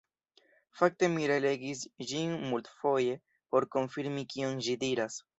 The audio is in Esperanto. Fakte mi relegis ĝin multfoje por konfirmi kion ĝi diras.